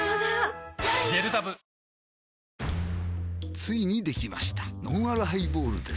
ついにできましたのんあるハイボールです